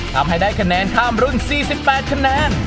ทำให้ได้คะแนนข้ามรุ่น๔๘คะแนน